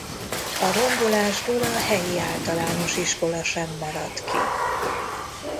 A rombolásból a helyi általános iskola sem maradt ki.